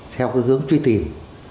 theo hướng truy tìm